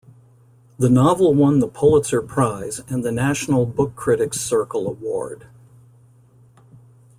The novel won the Pulitzer Prize and the National Book Critics Circle Award.